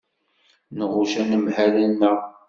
Nɣucc anemhal-nneɣ.